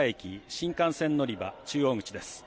新幹線乗り場中央口です。